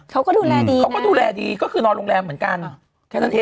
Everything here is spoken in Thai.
เขาก็ดูแลดีนะเขาก็ดูแลดีก็คือนอนโรงแรมเหมือนกัน